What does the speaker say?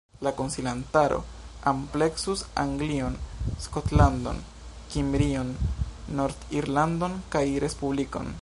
La konsilantaro ampleksus Anglion, Skotlandon, Kimrion, Nord-Irlandon kaj la Respublikon.